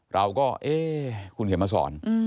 เราก็เอ๊ะคุณเขียนมาสอน